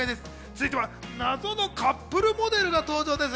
続いては謎のカップルモデルが登場です。